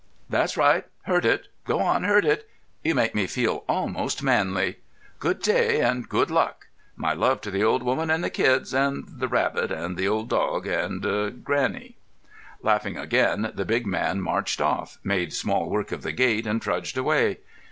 "That's right—hurt it. Go on; hurt it. You make me feel almost manly.... Good day and good luck! My love to the old woman and the kids, and the rabbit, and the old dog, and granny." Laughing again, the big man marched off, made small work of the gate, and trudged away.